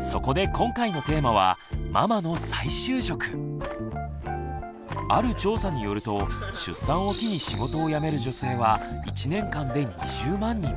そこで今回のテーマはある調査によると出産を機に仕事を辞める女性は１年間で２０万人。